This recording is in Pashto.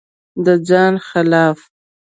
د ځان خلاف